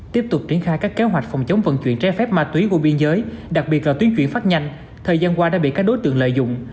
tiếp tục triển khai các kế hoạch phòng chống vận chuyển trái phép ma túy qua biên giới đặc biệt là tuyến chuyển phát nhanh thời gian qua đã bị các đối tượng lợi dụng